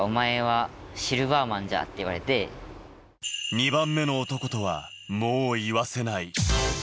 ２番目の男とはもう言わせない。